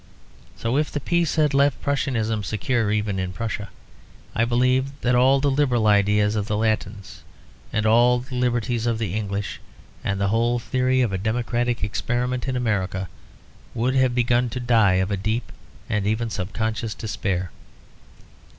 So, if the peace had left Prussianism secure even in Prussia, I believe that all the liberal ideals of the Latins, and all the liberties of the English, and the whole theory of a democratic experiment in America, would have begun to die of a deep and even subconscious despair.